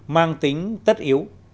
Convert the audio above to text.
mang tính tất yếu